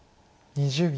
２０秒。